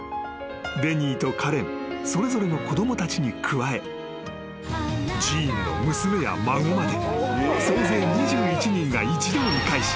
［デニーとカレンそれぞれの子供たちに加えジーンの娘や孫まで総勢２１人が一堂に会し］